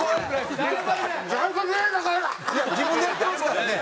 いや自分でやってますからね。